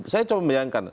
saya coba memperhatikan